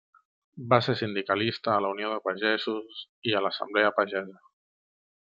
Va ser sindicalista a la Unió de Pagesos i a l'Assemblea Pagesa.